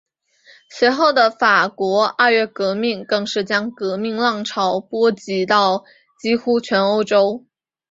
随后的法国二月革命更是将革命浪潮波及到几乎全欧洲。